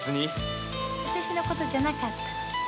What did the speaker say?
私の事じゃなかったの？